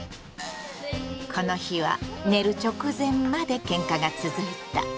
この日は寝る直前までケンカが続いた。